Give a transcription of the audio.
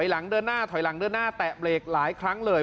แม่งคนถอยหลังเเรื้อหน้าหน้าแปะเบรกหลายครั้งเลย